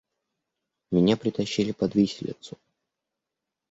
Меня притащили под виселицу.